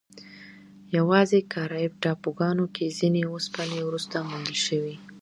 یواځې کارایب ټاپوګانو کې ځینې اوسپنې وروسته موندل شوې.